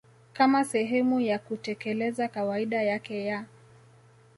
kama sehemu ya kutekeleza kawaida yake ya